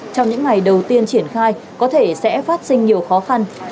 trong những ngày đầu tiên triển khai có thể sẽ phát sinh nhiều khó khăn